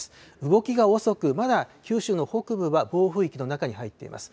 動きが遅く、まだ九州北部は暴風域の中に入っています。